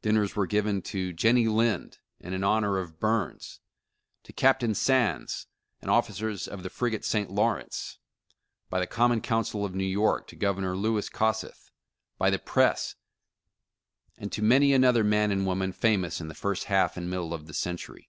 Dinners were given to Jennie Lind and in honor of Burns; to Captain Sands and the officers of the frigate St. Lawrence, by the Common Council of New York, to Governor Louis Kossuth, by the Press; and to many another man and woman famous in the first half and middle of the century.